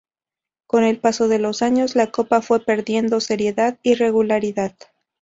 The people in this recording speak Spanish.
Con el paso de los años, la Copa fue perdiendo, seriedad y regularidad.